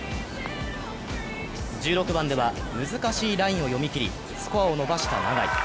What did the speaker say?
１６番では難しいラインを読み切り、スコアを伸ばした永井。